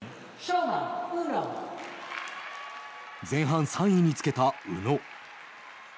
前半３位につけた宇野。